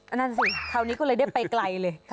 อันนั้นสิเขาอันนี้ก็เลยได้ไปไกลเลย